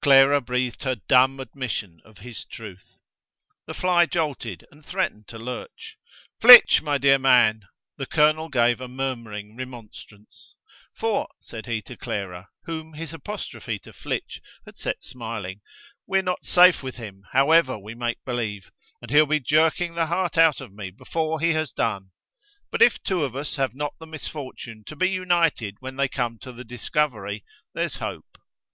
Clara breathed her dumb admission of his truth. The fly jolted and threatened to lurch. "Flitch, my dear man!" the colonel gave a murmuring remonstrance; "for," said he to Clara, whom his apostrophe to Flitch had set smiling, "we're not safe with him, however we make believe, and he'll be jerking the heart out of me before he has done. But if two of us have not the misfortune to be united when they come to the discovery, there's hope.